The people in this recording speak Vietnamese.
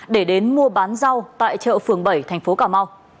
để đến mua bán rau tại chợ phường bảy tp cm